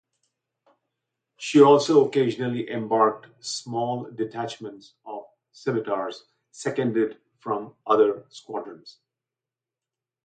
She also occasionally embarked small detachments of Scimitars seconded from other squadrons.